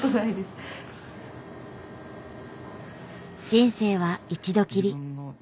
人生は一度きり。